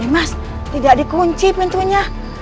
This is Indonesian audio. mas tidak dikunci pintunya